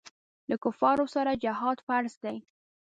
له کفارو سره جهاد فرض دی.